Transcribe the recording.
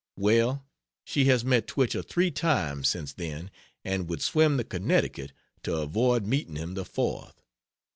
Well, she has met Twichell three times since then, and would swim the Connecticut to avoid meeting him the fourth.